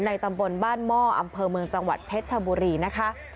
ตำบลบ้านหม้ออำเภอเมืองจังหวัดเพชรชบุรีนะคะ